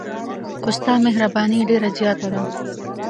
خو ستا مهرباني ډېره زیاته ده.